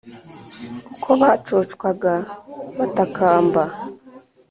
Uko bacocwaga batakamba !